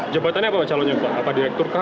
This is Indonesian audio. jabatannya apa pak calonnya pak apa direktur kah